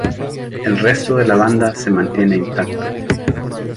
El resto de la banda se mantiene intacto.